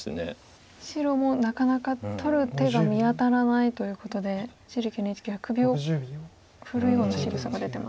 白もなかなか取る手が見当たらないということで一力ＮＨＫ杯首を振るようなしぐさが出てますね。